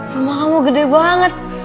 rumah kamu gede banget